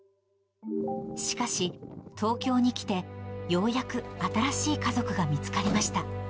しかし、東京に来てようやく新しい家族が見つかりました。